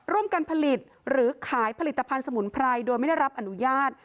ร่วมกันผลิตหรือขายผลิตภัณฑ์สมุนไพรโดยไม่ได้รับอนุญาต